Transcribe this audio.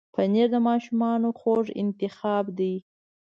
پنېر د ماشومانو خوږ انتخاب دی.